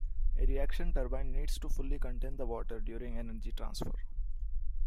A reaction turbine needs to fully contain the water during energy transfer.